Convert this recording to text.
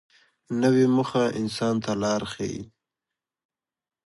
نوې موخه انسان ته لار ښیي